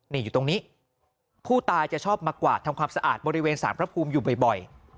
นี่อยู่ตรงนี้ผู้ตายจะชอบมากวาดทำความสะอาดบริเวณสารพระภูมิอยู่บ่อย